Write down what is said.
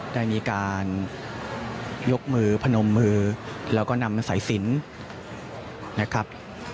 ได้มีการยกมือพนมมือแล้วก็นำสายสินนะครับ